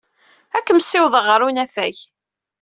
Ad kent-ssiwḍeɣ ɣer unafag.